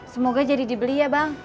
semoga jadi dibeli ya bang